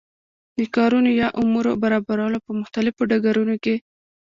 د کارونو یا امورو برابرول او په مختلفو ډګرونو کی